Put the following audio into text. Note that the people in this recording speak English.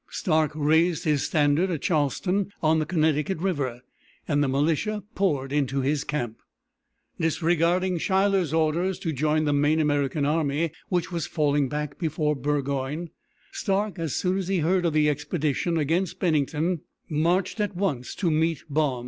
Stark raised his standard at Charlestown on the Connecticut River, and the militia poured into his camp. Disregarding Schuyler's orders to join the main American army, which was falling back before Burgoyne, Stark, as soon as he heard of the expedition against Bennington, marched at once to meet Baum.